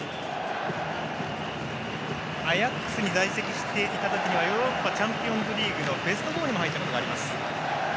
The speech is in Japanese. アヤックスに在籍していた時にはヨーロッパチャンピオンズリーグベスト４にも入ったことがあります。